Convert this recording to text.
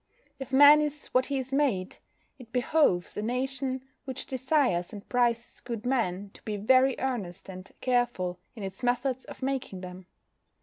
If man is what he is made, it behoves a nation which desires and prizes good men to be very earnest and careful in its methods of making them.